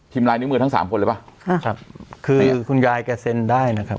ลายนิ้วมือทั้งสามคนเลยป่ะค่ะครับคือคุณยายแกเซ็นได้นะครับ